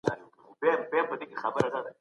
موږ باید پخوانۍ ميني او اړیکي بېرته ژوندۍ کړو.